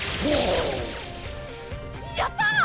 やった！